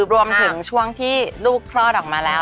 รวมถึงช่วงที่ลูกคลอดออกมาแล้ว